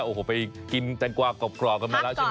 โอ๊ยอ่ะอฮดไปกินแต้งกวาก่อก่อนมาแล้วใช่ไหม